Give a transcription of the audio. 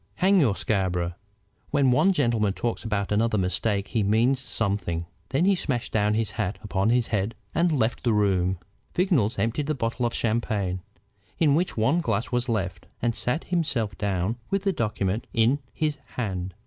"Hang your Scarborough! When one gentleman talks another about mistakes he means something." Then he smashed down his hat upon his head and left the room. Vignolles emptied the bottle of champagne, in which one glass was left, and sat himself down with the document in his hand.